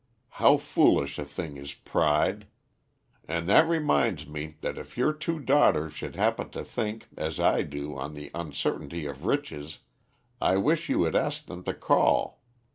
How foolish a thing is pride! And that reminds me that if your two daughters should happen to think as I do on the uncertainty of riches, I wish you would ask them to call.